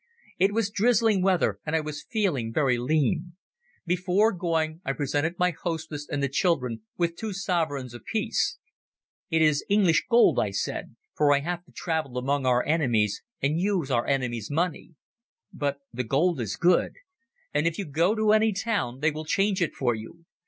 It was drizzling weather, and I was feeling very lean. Before going I presented my hostess and the children with two sovereigns apiece. "It is English gold," I said, "for I have to travel among our enemies and use our enemies' money. But the gold is good, and if you go to any town they will change it for you.